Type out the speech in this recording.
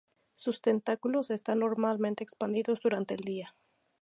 Sus tentáculos están normalmente expandidos durante el día.